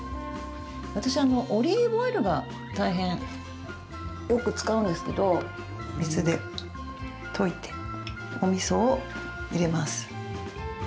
私、オリーブオイルが大変よく使うんですけど水で溶いて、おみそを入れます。